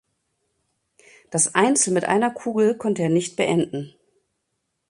Das Einzel mit einer Kugel konnte er nicht beenden.